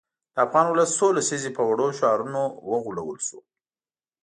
د افغان ولس څو لسیزې په وړو شعارونو وغولول شو.